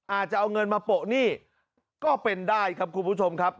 อาจจะเอาเงินมาโปะหนี้ก็เป็นได้ครับคุณผู้ชมครับ